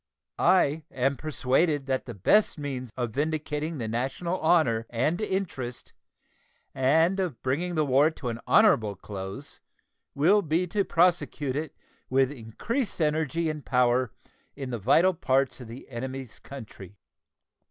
I am persuaded that the best means of vindicating the national honor and interest and of bringing the war to an honorable close will be to prosecute it with increased energy and power in the vital parts of the enemy's country.